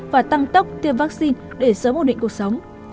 và tăng tốc tiêm vaccine để sớm ổn định cuộc sống